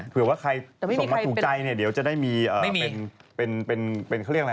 เผื่อว่าใครส่งมาผูกใจเนี่ยเดี๋ยวจะได้มีเหรียญ